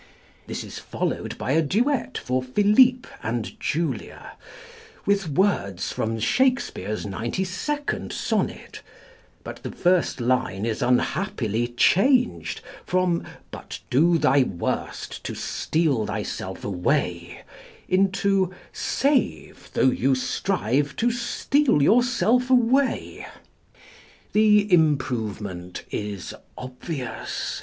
This is followed by a duet for Philippe and Julia, with words from Shakespeare's 92nd Sonnet, but the first line is unhappily changed from "But do thy worst to steal thyself away," into "Save, though you strive to steal yourself away." The improvement is obvious!